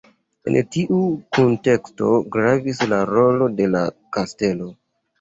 En tiu kunteksto gravis la rolo de la kastelo.